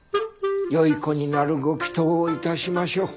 よい子になるご祈とうをいたしましょう。